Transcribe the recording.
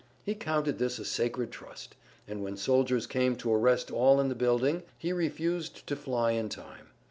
He counted this a sacred trust, and when soldiers came to arrest all in the building he refused to fly in time.